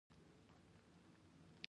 هلک وویل لومړی مې وژغوره بیا نصیحت وکړه.